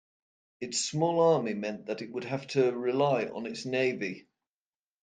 Its small army meant that it would have had to rely on its navy.